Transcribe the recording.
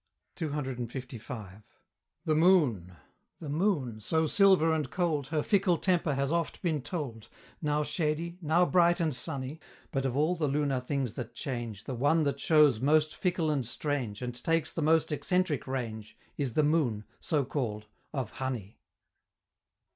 CCLV. The moon the moon, so silver and cold, Her fickle temper has oft been told, Now shady now bright and sunny But of all the lunar things that change, The one that shows most fickle and strange, And takes the most eccentric range, Is the moon so call'd of honey!